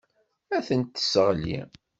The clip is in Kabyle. Ad tent-tesseɣli.